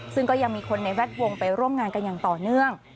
ซึ่งก็ยังมีคนในแวดวงไปร่วมงานกันอย่างต่อเนื่อง